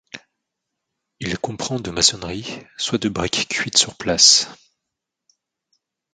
Il comprend de maçonnerie, soit de briques cuites sur place.